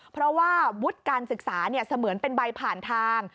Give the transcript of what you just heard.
เพราะว่าวุฒิการศึกษาเสมือนเป็นใบผ่านทาง